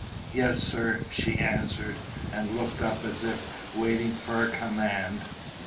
"Yes, sir," she answered, and looked up as if waiting for a command.